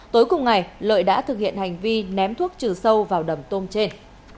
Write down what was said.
tối cùng ngày lợi đã thực hiện hành vi ném thuốc trừ sâu vào đầm tôm trên